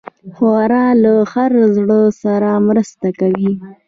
ښوروا له هر زړه سره مرسته کوي.